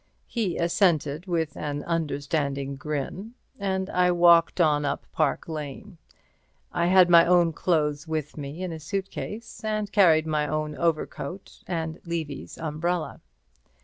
He assented with an understanding grin, and I walked on up Park Lane. I had my own clothes with me in a suitcase, and carried my own overcoat and Levy's umbrella.